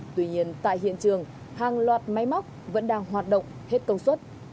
tuy nhiên tại hiện trường hàng loạt máy móc vẫn đang hoạt động hết công suất